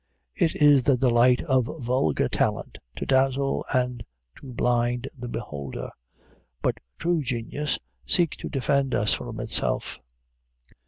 It is the delight of vulgar talent to dazzle and to blind the beholder. But true genius seeks to defend us from itself.